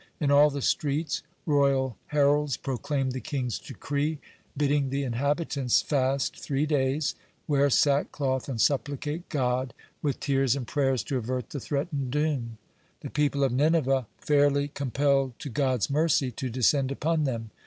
In all the streets royal heralds proclaimed the king's decree bidding the inhabitants fast three days, wear sackcloth, and supplicate God with tears and prayers to avert the threatened doom. The people of Nineveh fairly compelled to God's mercy to descend upon them.